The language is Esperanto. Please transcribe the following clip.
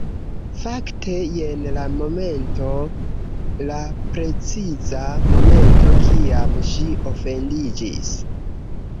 Fakte, jen la momento... la preciza momento kiam ŝi ofendiĝis